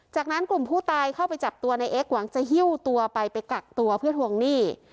จากนั้นกลุ่มผู้ตายเข้าไปจับตัวในเอ็กซหวังจะหิ้วตัวไปไปกักตัวเพื่อทวงหนี้